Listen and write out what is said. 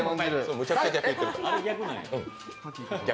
むちゃくちゃ逆言ってる。